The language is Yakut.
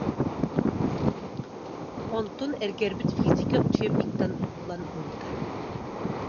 Онтун эргэрбит физика учебнигыттан булан ылбыта